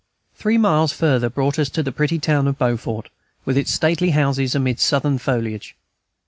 Three miles farther brought us to the pretty town of Beaufort, with its stately houses amid Southern foliage.